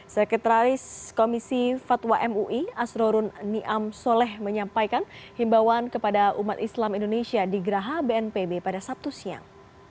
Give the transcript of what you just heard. sekretaris komisi fatwa mui asrorun niam soleh menyampaikan himbawan kepada umat islam indonesia di geraha bnpb pada sabtu siang